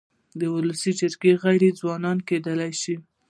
د ولسي جرګي غړي ځوانان کيدای سي.